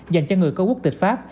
dành cho người có quốc tịch pháp